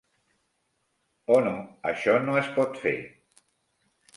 Oh, no, això no es pot fer.